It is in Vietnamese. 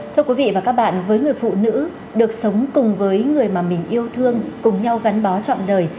thưa quý vị và các bạn với người phụ nữ được sống cùng với người mà mình yêu thương cùng nhau gắn bó chọn đời